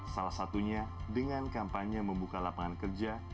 salah satunya dengan kampanye membuka lapangan kerja